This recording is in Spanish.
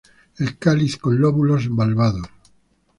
El cáliz con lóbulos valvados.